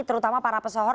terutama para pesohor